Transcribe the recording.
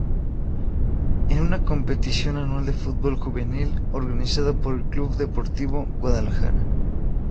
Es una competición anual de fútbol juvenil organizada por el Club Deportivo Guadalajara.